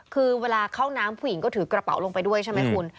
คือเวลาเข้าน้ำผู้หญิงก็ถือกระเป๋าลงไปด้วยใช่ไหมคุณ